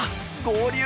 合流。